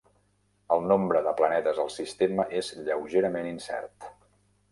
El nombre de planetes al sistema és lleugerament incert.